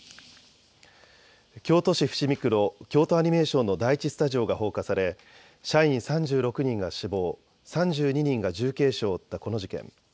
京都市伏見区の京都アニメーションの第１スタジオが放火され社員３６人が死亡、３２人が重軽傷を負ったこの事件。